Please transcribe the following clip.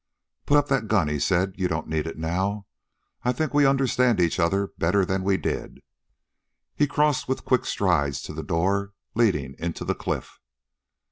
"Put up that gun," he said: "you don't need it now. I think we understand each other better than we did." He crossed with quick strides to the door leading into the cliff.